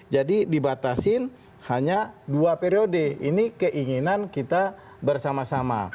jadi dibatasin hanya dua periode ini keinginan kita bersama sama